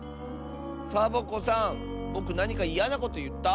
サボ子さんぼくなにかいやなこといった？